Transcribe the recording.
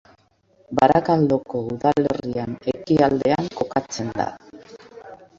Barakaldoko udalerrian ekialdean kokatzen da.